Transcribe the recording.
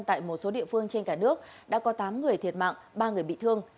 tại một số địa phương trên cả nước đã có tám người thiệt mạng ba người bị thương